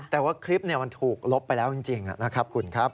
แต่ว่าคลิปมันถูกลบไปแล้วจริงนะครับคุณครับ